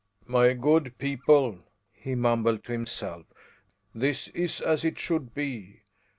"My good people," he mumbled to himself, "this is as it should be.